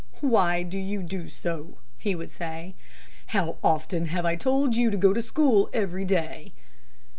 "Why do you do so?" he would say. "How often have I told you to go to school every day?"